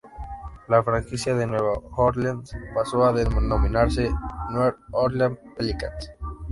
La franquicia de Nueva Orleans pasó a denominarse New Orleans Pelicans.